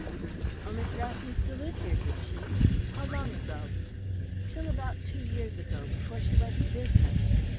"Oh, Miss Rath used to live here, did she? How long ago?" "Till about two years ago, before she went to business."